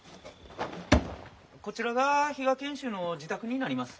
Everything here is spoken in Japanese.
・こちらが比嘉賢秀の自宅になります。